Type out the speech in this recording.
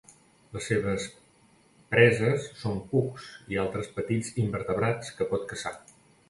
Les seves preses són cucs i altres petits invertebrats que pot caçar.